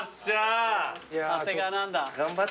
長谷川何だ？